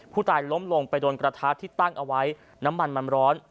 ผู้ตายล้มลงไปโดนกระทะที่ตั้งเอาไว้น้ำมันมันร้อน